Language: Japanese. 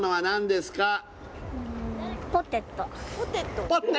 何ですか？